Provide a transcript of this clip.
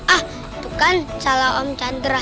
ah itu kan cala om chandra